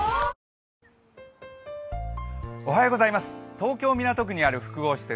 東京・港区にある複合施設